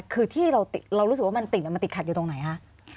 คือที่เรารู้สึกว่ามันติดมันติดขัดอยู่ตรงไหนคะ